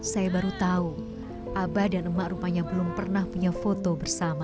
saya baru tahu abah dan emak rupanya belum pernah punya foto bersama